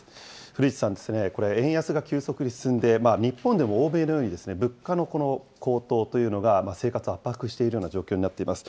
古市さん、これ、円安が急速に進んで、日本でも欧米のように、物価の高騰というのが、生活を圧迫しているような状況になっています。